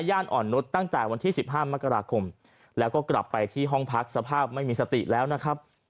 อ่อนนุษย์ตั้งแต่วันที่๑๕มกราคมแล้วก็กลับไปที่ห้องพักสภาพไม่มีสติแล้วนะครับ